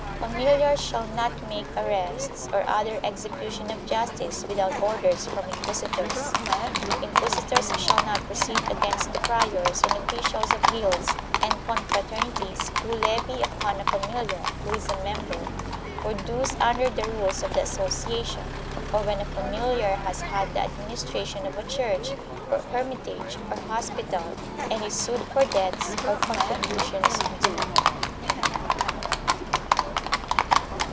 Familiars shall not make arrests or other execution of justice without orders from inquisitors. Inquisitors shall not proceed against the priors and officials of guilds and confraternities who levy upon a familiar, who is a member, for dues under the rules of the association, or when a familiar has had the administration of a church or hermitage or hospital and is sued for debts or contributions due.